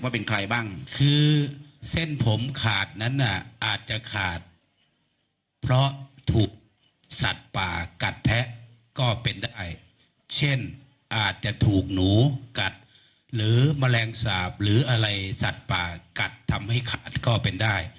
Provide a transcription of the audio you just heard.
เพราะถูกสัตว์ป่ากัดแท้ก็เป็นได้เช่นอาจจะถูกหนูกัดหรือแมลงสาปหรืออะไรสัตว์ป่ากัดทำให้ขาดก็เป็นได้